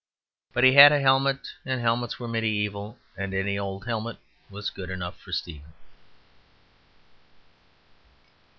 But he had a helmet; and helmets were mediæval; and any old helmet was good enough for Stephen.